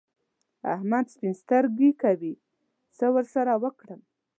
احمد سپين سترګي کوي؛ څه ور سره وکړم؟!